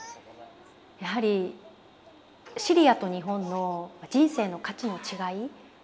やはりシリアと日本の人生の価値の違い。